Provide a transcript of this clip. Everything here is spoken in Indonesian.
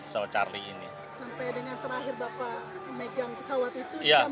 sampai dengan terakhir bapak memegang pesawat itu